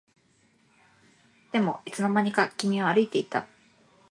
でもいつの間にか君は歩いていた